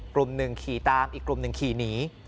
กลุ่มหนึ่งขี่ตามอีกกลุ่มหนึ่งขี่หนี